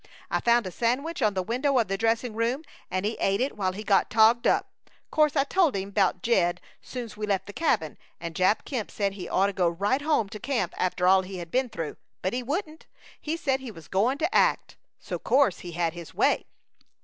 I found a sandwich on the window of the dressing room, and he ate it while he got togged up 'course I told him 'bout Jed soon's we left the cabin, and Jap Kemp said he'd oughta go right home to camp after all he had been through; but he wouldn't; he said he was goin' to act. So 'course he had his way!